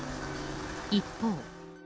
一方。